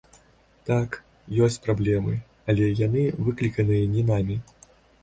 Так, ёсць праблемы, але яны выкліканыя не намі.